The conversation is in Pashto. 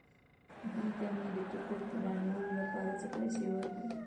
دوی ته مې د ټکټ رانیولو لپاره څه پېسې ورکړې.